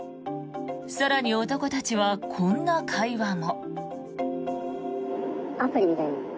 更に、男たちはこんな会話も。